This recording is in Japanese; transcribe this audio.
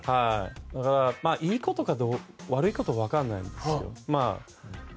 いいことか悪いことか分からないですよ。